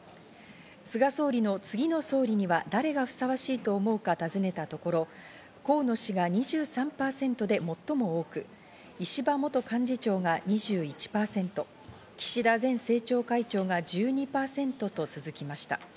菅総理の次の総理には誰がふさわしいと思うか尋ねたところ、河野氏が２３％で最も多く、石破元幹事長が２１％、岸田前政調会長が１２％と続きました。